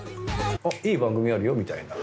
「あっいい番組あるよ」みたいな。